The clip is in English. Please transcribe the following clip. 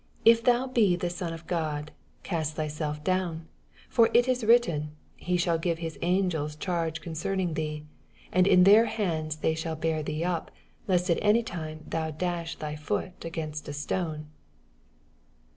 If thou be the Son of God, cast thyself down : for it is written. He shall give his angels charge concerning thee : and in weir hands they shall bear thee up, leat at any time thou daah thy foot against a stone.